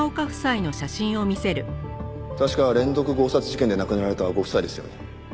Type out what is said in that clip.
確か連続強殺事件で亡くなられたご夫妻ですよね。